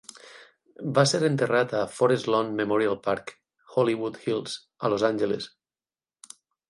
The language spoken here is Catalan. Va ser enterrat a Forest Lawn Memorial Park, Hollywood Hills, a Los Angeles.